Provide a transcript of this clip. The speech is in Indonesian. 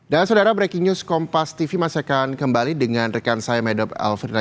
dan saudara breaking news kompas tv masyarakat kembali dengan rekan saya medop alvira